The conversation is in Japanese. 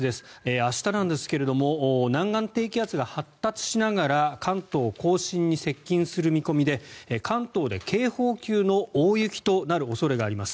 明日なんですが南岸低気圧が発達しながら関東・甲信に接近する見込みで関東で警報級の大雪となる恐れがあります。